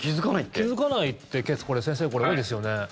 気付かないってケース先生、多いですよね？